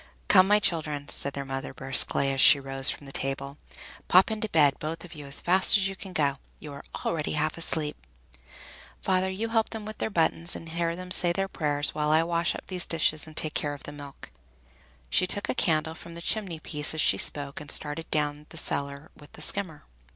"Come, my children," said their mother briskly, as she rose from the table, "pop into bed, both of you, as fast as you can go. You are already half asleep! Father, you help them with their buttons, and hear them say their prayers, while I wash up these dishes and take care of the milk." She took a candle from the chimney piece as she spoke, and started down cellar with the skimmer.